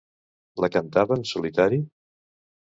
La cantava en solitari?